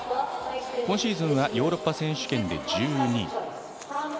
今シーズンはヨーロッパ選手権で１２位。